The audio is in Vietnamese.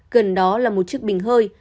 gần đó là một chiếc bình hơi